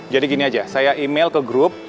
jadi gini aja saya email ke grup